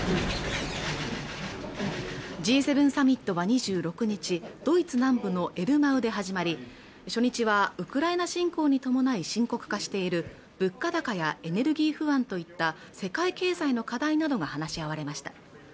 Ｇ７サミットは２６日ドイツ南部のエルマウで始まり初日はウクライナ侵攻に伴い深刻化している物価高やエネルギー不安といった世界経済の課題などが話し合われました